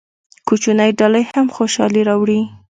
کوچنۍ ډالۍ هم خوشحالي راوړي.